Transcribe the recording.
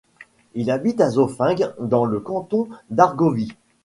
Il habite à Zofingue dans le canton d'Argovie.